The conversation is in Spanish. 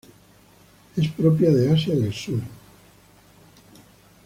Es propia de Asia del Sur.